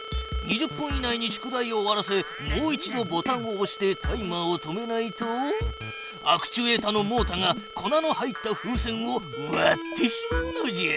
２０分以内に宿題を終わらせもう一度ボタンをおしてタイマーを止めないとアクチュエータのモータが粉の入った風船をわってしまうのじゃ。